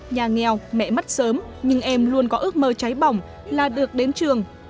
nhà nghèo mẹ mất sớm nhưng em luôn có ước mơ cháy bỏng là được đến trường